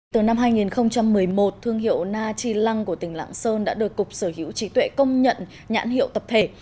từ năm hai nghìn một mươi một thương hiệu na chi lăng của tỉnh lạng sơn đã được cục sở hữu trí tuệ công nhận nhãn hiệu tập thể